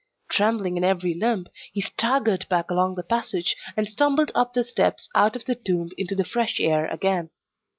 Trembling in every limb, he staggered back along the passage, and stumbled up the steps out of the tomb into the fresh air again.